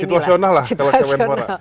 situasional lah kalau kewen kewen